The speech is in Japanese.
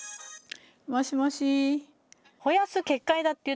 もしもし。